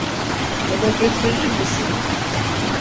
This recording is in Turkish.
Bana gösterir misin?